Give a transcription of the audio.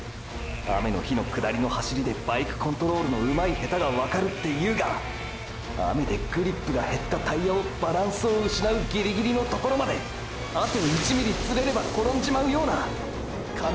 雨の日の下りの走りでバイクコントロールの上手い下手がわかるっていうが雨でグリップが減ったタイヤをバランスを失うギリギリのところまであと１ｍｍずれれば転んじまうような紙一重でダンシングしてる！！